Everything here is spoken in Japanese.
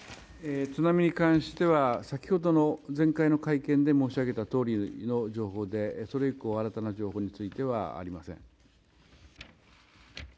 津波に関しては先ほどの前回の会見で申し上げたとおりの情報でそれ以降新たな情報はありません。